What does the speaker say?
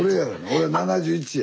俺７１や。